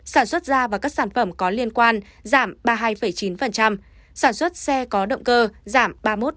sản xuất da và các sản phẩm có liên quan giảm ba mươi hai chín sản xuất xe có động cơ giảm ba mươi một tám